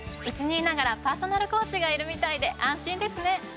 うちにいながらパーソナルコーチがいるみたいで安心ですね。